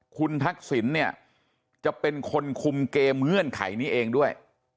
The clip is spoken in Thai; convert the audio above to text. คุณทักษิณเนี่ยจะเป็นคนคุมเกมเงื่อนไขนี้เองด้วย